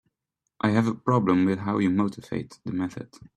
I have a problem with how you motivate the method.